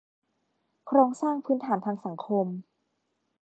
โครงสร้างพื้นฐานทางสังคม